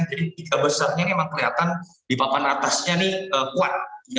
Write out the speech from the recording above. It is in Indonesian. jadi tiga besarnya memang kelihatan di papan atasnya nih kuat